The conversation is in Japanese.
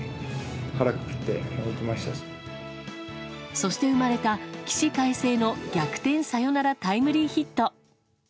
そして生まれた起死回生の逆転サヨナラタイムリーヒット。